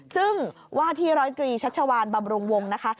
ซึ่งว่าที่๑๐๓ชัชวานบำรงวงนะคะ